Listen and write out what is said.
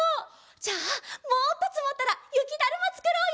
じゃあもっとつもったらゆきだるまつくろうよ！